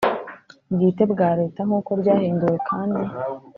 Bwite bwa Leta nk uko ryahinduwe kandi